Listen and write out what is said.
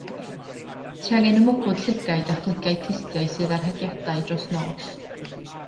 Ti angen y mwgwd llygaid a phlygiau clustiau sydd ar hediadau dros nos.